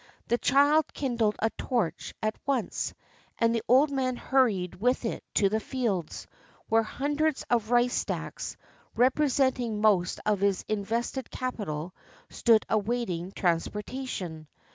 The child kindled a torch at once; and the old man hurried with it to the fields, where hundreds of rice stacks, representing most of his invested capital, stood awaiting transportation.